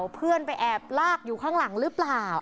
เพื่อนไปแอบลากอยู่ข้างหลังหรือเปล่า